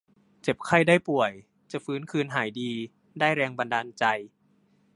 เจ็บไข้ได้ป่วยจะฟื้นคืนหายดี ได้แรงบันดาลใจ